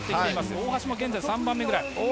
大橋も現在、３番目ぐらい。